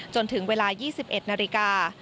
จนถึงเวลายี่สิบเอ็ดนาฬิกา